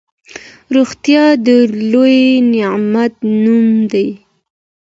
روغتيا د لوی نعمت نوم دی.